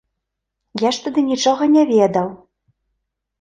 Я ж тады нічога не ведаў.